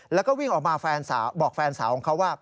แล้วก็วิ่งออกมาบอกแฟนสาวของเขาว่า